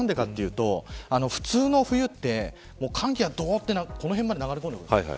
なんでかというと普通の冬って寒気がこの辺まで流れ込んでくるんです。